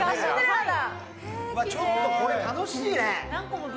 ちょっとこれ楽しいね。